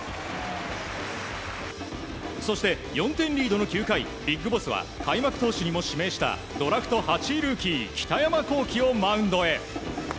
そして、４点リードの９回ＢＩＧＢＯＳＳは開幕投手にも指名したドラフト８位ルーキー北山亘基をマウンドへ。